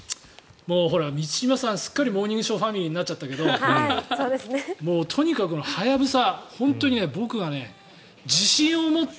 満島さん、すっかり「モーニングショー」ファミリーになっちゃったけどもうとにかく「ハヤブサ」